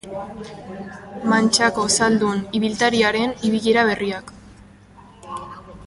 Mantxako zaldun ibiltariaren ibilera berriak.